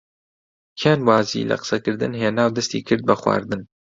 کێن وازی لە قسەکردن هێنا و دەستی کرد بە خواردن.